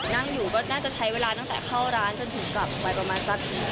นั่งอยู่ก็น่าจะใช้เวลาตั้งแต่เข้าร้านจนถึงกลับไปประมาณสัก